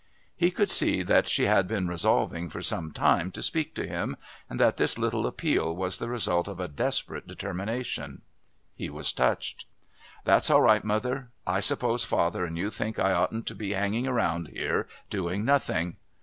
He could see that she had been resolving for some time to speak to him, and that this little appeal was the result of a desperate determination. He was touched. "That's all right, mother. I suppose father and you think I oughtn't to be hanging around here doing nothing."